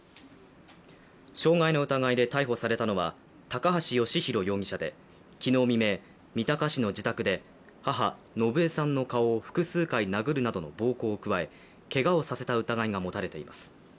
傷害の疑いで逮捕されたのは高橋佳広容疑者で昨日未明、三鷹市の自宅で母・信栄さんの顔を複数回、殴るなどの暴行を加え、けがをさせた疑いが持たれています。